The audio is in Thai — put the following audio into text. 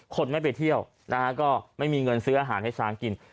คนไม่ไปเที่ยวนะฮะก็ไม่มีเงินซื้ออาหารให้ช้างกิน